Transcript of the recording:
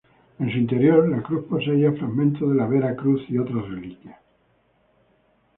En su interior, la cruz poseía fragmentos de la Vera Cruz y otras reliquias.